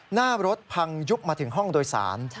หน้ารถพังยุบมาถึงห้องโดยสาร